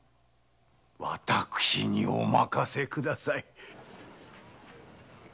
私にお任せください。